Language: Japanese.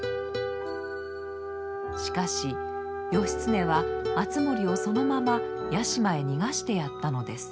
しかし義経は敦盛をそのまま屋島へ逃がしてやったのです。